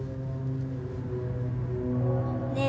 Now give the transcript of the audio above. ねえ？